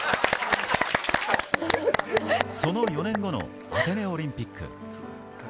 その４年後のアテネオリンピック。